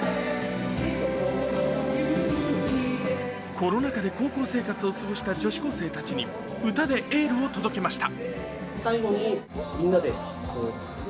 コロナ禍で高校生活を過ごした女子高生たちに歌でエールを届けました。